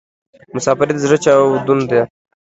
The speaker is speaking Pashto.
مسافري د ﺯړه چاودون ده